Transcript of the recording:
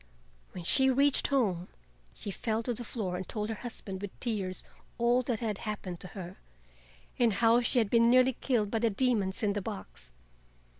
When she reached home she fell to the floor and told her husband with tears all that had happened to her, and how she had been nearly killed by the demons in the box.